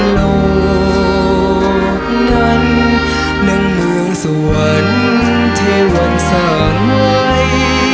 โลกนั้นหนึ่งเมืองสวรรค์เทวันสาหร่าย